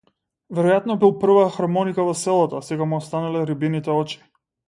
Веројатно бил прва хармоника во селото, а сега му останале рибините очи.